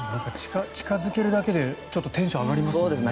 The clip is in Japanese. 近付けるだけで、ちょっとテンション上がりますよね。